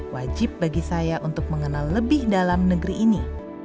wajib bagi saya untuk mengenal lebih dalam negeri ini